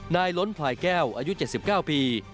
ล้นพลายแก้วอายุ๗๙ปี